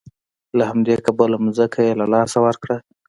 له همدې کبله ځمکه یې له لاسه ورکړه.